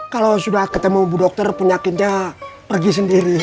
kalau sudah ketemu bu dokter penyakitnya pergi sendiri